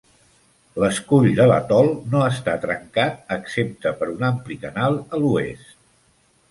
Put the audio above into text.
L'escull de l'atol no està trencat excepte per un ampli canal a l'oest.